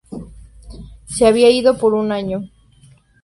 Se había ido por un año.